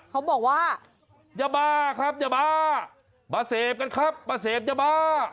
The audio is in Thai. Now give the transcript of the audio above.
เขาบอกว่ายาบ้าครับยาบ้ามาเสพกันครับมาเสพยาบ้า